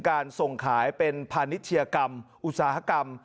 การส่งขายเป็นพาณิชยกรรมอุตสาหกรรม